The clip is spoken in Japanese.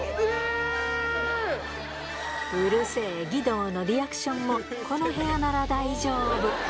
うるせえ義堂のリアクションも、この部屋なら大丈夫。